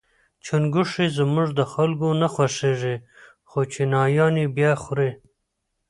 چونګښي زموږ د خلکو نه خوښیږي خو چینایان یې با خوري.